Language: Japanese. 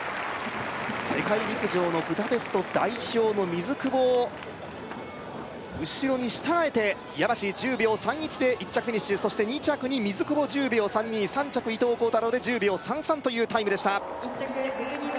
世界陸上のブダペスト代表の水久保を後ろに従えて矢橋１０秒３１で１着フィニッシュそして２着に水久保１０秒３２３着伊藤孝太郎で１０秒３３というタイムでした１着陸岐道